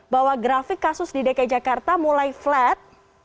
bahwa grafik kasus di dki jakarta mulai flat